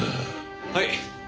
はい。